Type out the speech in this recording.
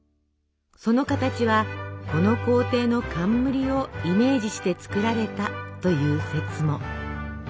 その形はこの皇帝の冠をイメージして作られたという説も。